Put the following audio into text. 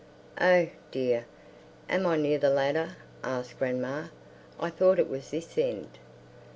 "Oh, dear, am I near the ladder?" asked grandma. "I thought it was this end."